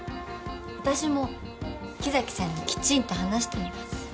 私も木崎さんにきちんと話してみます。